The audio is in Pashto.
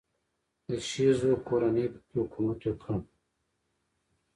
د شیزو کورنۍ په کې حکومت کاوه.